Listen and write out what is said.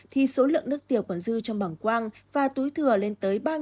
thì số lượng nước tiểu còn dư trong bảng quang và túi thừa lên tới ba hai trăm linh ml